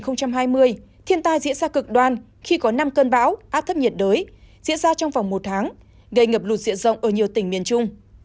năm hai nghìn hai mươi thiên tai diễn ra cực đoan khi có năm cơn bão áp thấp nhiệt đới diễn ra trong vòng một tháng gây ngập lụt diện rộng ở nhiều tỉnh miền trung